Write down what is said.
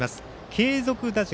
継続打順。